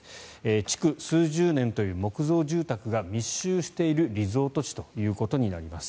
築数十年という木造住宅が密集しているリゾート地ということになります。